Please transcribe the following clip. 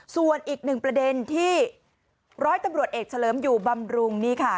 ส่วนอีกหนึ่งประเด็นที่ร้อยตำรวจเอกเฉลิมอยู่บำรุงนี่ค่ะ